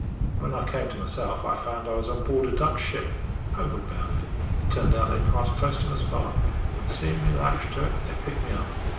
"When I came to myself I found I was on board a Dutch ship, homeward bound. It turned out that they passed close to my spar, and seein' me lashed to it they picked me up.